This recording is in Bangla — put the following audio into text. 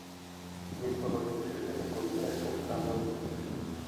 তিনি চলচ্চিত্রের জন্য কবিতা এবং গানও লিখে থাকেন।